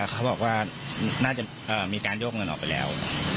เขาบอกว่าน่าจะมีการโยกเงินออกไปแล้ว